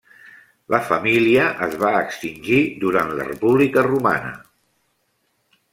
La família es va extingir durant la república romana.